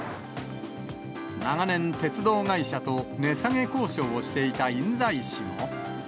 長年、鉄道会社と値下げ交渉をしていた印西市も。